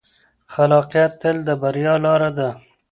خلاقیت تل د بریا لاره ده.